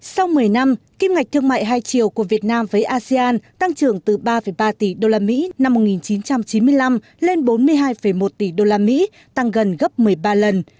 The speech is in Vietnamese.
sau một mươi năm kim ngạch thương mại hai triệu của việt nam với asean tăng trưởng từ ba ba tỷ usd năm một nghìn chín trăm chín mươi năm lên bốn mươi hai một tỷ usd tăng gần gấp một mươi ba lần